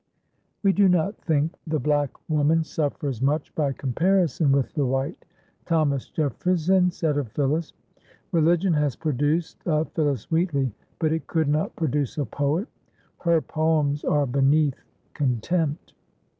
We do not think the black woman suffers much by comparison with the white. Thomas Jefferson said of Phillis: "Religion has produced a Phillis Wheatley, but it could not produce a poet; her poems are beneath contempt."